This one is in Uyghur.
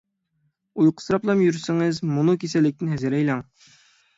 ئۇيقۇسىراپلا يۈرسىڭىز مۇنۇ كېسەللىكتىن ھەزەر ئەيلەڭ.